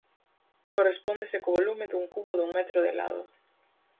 Correspóndese co volume dun cubo dun metro de lado.